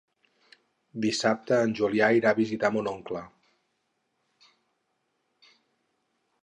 Dissabte en Julià irà a visitar mon oncle.